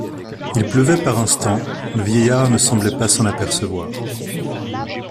Il pleuvait par instants, le vieillard ne semblait pas s’en apercevoir.